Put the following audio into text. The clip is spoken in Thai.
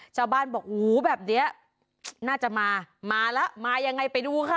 ชาวบ้านบอกอู๋แบบนี้น่าจะมามาแล้วมายังไงไปดูค่ะ